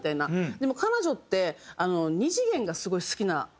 でも彼女って２次元がすごい好きな人なんですよ。